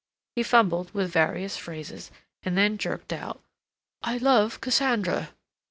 He fumbled with various phrases; and then jerked out: "I love Cassandra."